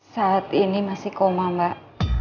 saat ini masih koma mbak